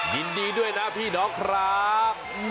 ยินดีด้วยนะพี่น้องครับ